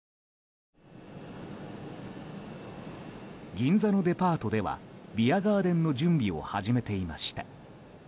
銀座のデパートではビアガーデンの準備を始めていました。